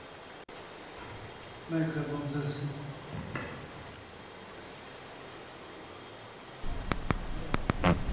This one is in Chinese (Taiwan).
文藝復興公司的故事